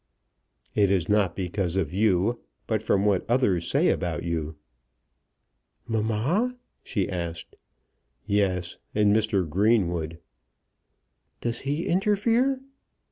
"It is not because of you; but from what others say about you." "Mamma?" she asked. "Yes; and Mr. Greenwood." "Does he interfere?"